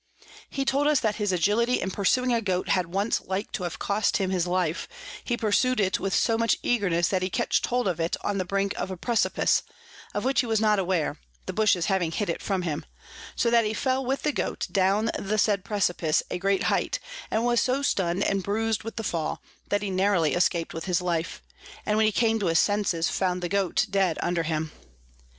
He told us that his Agility in pursuing a Goat had once like to have cost him his Life; he pursu'd it with so much Eagerness that he catch'd hold of it on the brink of a Precipice, of which he was not aware, the Bushes having hid it from him; so that he fell with the Goat down the said Precipice a great height, and was so stun'd and bruis'd with the Fall, that he narrowly escap'd with his Life, and when he came to his Senses, found the Goat dead under him.